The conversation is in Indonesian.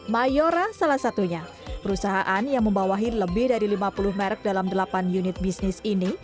mayora salah satunya perusahaan yang membawahi lebih dari lima puluh merek dalam delapan unit bisnis ini